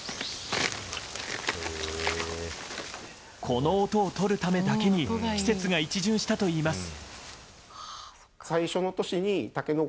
この音をとるためだけに季節が一巡したといいます。